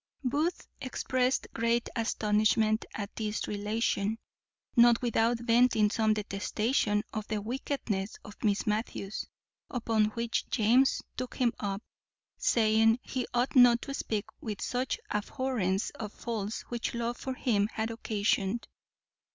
Booth exprest great astonishment at this relation, not without venting some detestation of the wickedness of Miss Matthews; upon which James took him up, saying, he ought not to speak with such abhorrence of faults which love for him had occasioned.